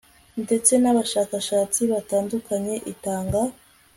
ndetse n abashakashatsi batandukanye itanga